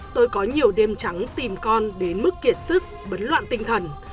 tôi có nhiều đêm trắng tìm con đến mức kiệt sức bất loạn tinh thần